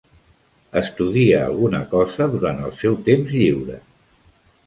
Estudia alguna cosa durant el seu temps lliure.